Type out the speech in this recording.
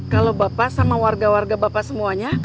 kalau bapak sama warga warga bapak semuanya